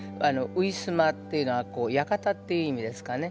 ウィスマっていうのは館っていう意味ですかね。